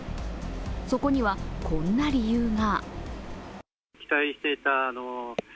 そこにはこんな理由が。